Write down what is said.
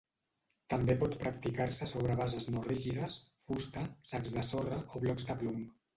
També pot practicar-se sobre bases no rígides: fusta, sacs de sorra o blocs de plom.